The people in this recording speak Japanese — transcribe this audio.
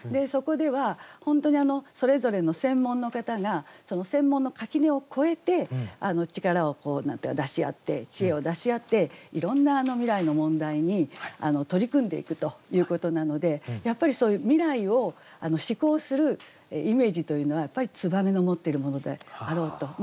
そこではそれぞれの専門の方がその専門の垣根をこえて力をこう出し合って知恵を出し合っていろんな未来の問題に取り組んでいくということなのでやっぱりそういう未来を思考するイメージというのは燕の持っているものであろうと。